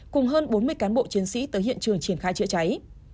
cùng hơn bốn mươi cán bộ chiến sĩ tới hiện trường triển khai chữa cháy